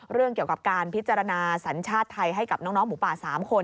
เรื่องเกี่ยวกับการพิจารณาสัญชาติไทยให้กับน้องหมูป่า๓คน